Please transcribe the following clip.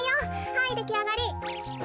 はいできあがり。